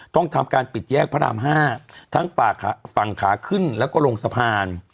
ต้องทำการปิดแยกพระราม๕ทั้งฝั่งขาขึ้นแล้วก็ลงสะพาน